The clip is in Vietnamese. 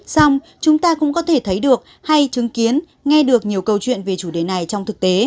xong chúng ta cũng có thể thấy được hay chứng kiến nghe được nhiều câu chuyện về chủ đề này trong thực tế